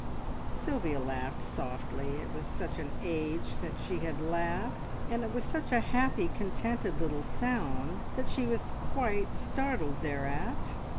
Sylvia laughed softly, it was such an age since she had laughed, and it was such a happy, contented little sound that she was quite startled thereat.